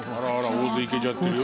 大勢行けちゃってるよ。